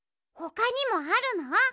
ほかにもあるの？